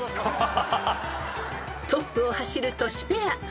［トップを走るトシペア］